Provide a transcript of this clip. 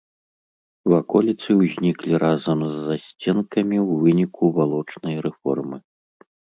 Ваколіцы ўзніклі разам з засценкамі ў выніку валочнай рэформы.